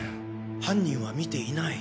犯人は見ていない？